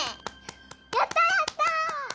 やったやった。